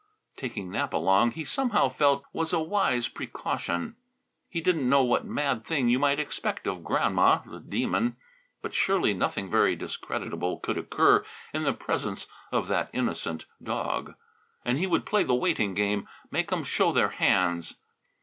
Taking Nap along, he somehow felt, was a wise precaution. He didn't know what mad thing you might expect of Grandma, the Demon, but surely nothing very discreditable could occur in the presence of that innocent dog. And he would play the waiting game; make 'em show their hands.